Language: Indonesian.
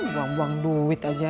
buang buang duit aja